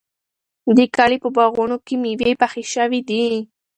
د کلي په باغونو کې مېوې پخې شوې دي.